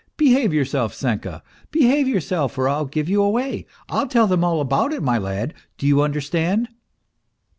Behave yourself, Senka, behave yourself, or I'll give you away, I'll tell them all about it, my lad, do you understand